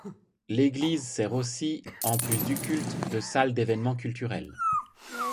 L'église sert aussi, en plus du culte, de salle d'événements culturels.